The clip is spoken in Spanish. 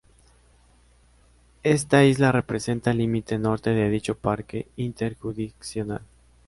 Esta isla representa el límite norte de dicho Parque Interjurisdiccional.